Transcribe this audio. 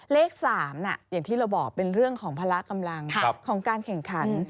เลข๓อย่างที่เราบอกเป็นเรื่องของพละกำลังของการแข่งขัน